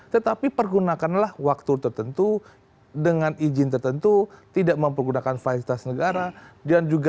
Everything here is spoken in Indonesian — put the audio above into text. tetapi pergunakanlah waktu tertentu dengan izin tertentu tidak mempergunakan fasilitas negara dan juga